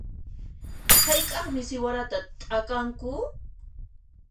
Hayk'aqmi siwarata t'akanku?